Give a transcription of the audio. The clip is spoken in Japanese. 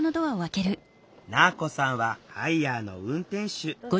なぁこさんはハイヤーの運転手。